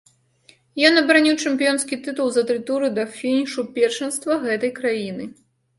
Ён абараніў чэмпіёнскі тытул за тры туры да фінішу першынства гэтай краіны.